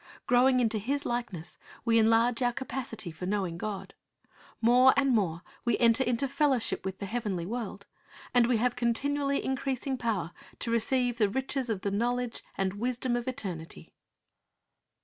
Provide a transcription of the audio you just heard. Growing into His likeness, we enlarge our capacity for knowing God. More and more we enter into fellowship with the heavenly world, and we have continually increasing power to receive the riches of the knowledge and wisdom of eternity.